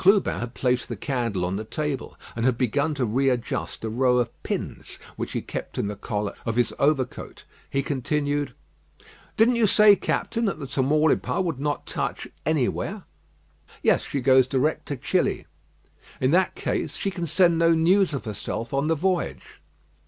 Clubin had placed the candle on the table, and had begun to readjust a row of pins which he kept in the collar of his overcoat. He continued: "Didn't you say, Captain, that the Tamaulipas would not touch anywhere?" "Yes; she goes direct to Chili." "In that case, she can send no news of herself on the voyage."